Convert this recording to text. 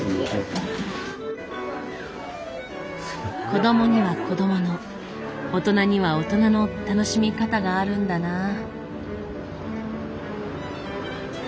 子どもには子どもの大人には大人の楽しみ方があるんだなぁ。